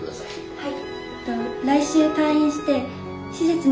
はい。